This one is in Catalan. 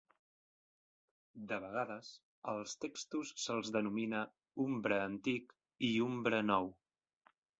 De vegades, als textos se'ls denomina Umbre Antic i Umbre Nou.